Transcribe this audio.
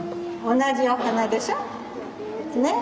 同じお花でしょ？ね。